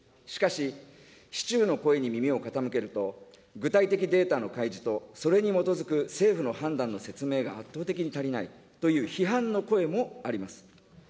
しかし、市中の声に耳を傾けると、具体的データの開示と、それに基づく政府の判断の説明が圧倒的に足りないという批判の声もあります。